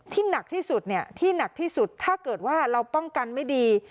หนักที่สุดที่หนักที่สุดถ้าเกิดว่าเราป้องกันไม่ดี